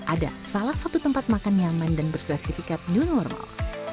ada salah satu tempat makan nyaman dan bersertifikat new normal